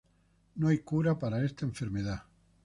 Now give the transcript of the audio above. No hay cura para esta enfermedad.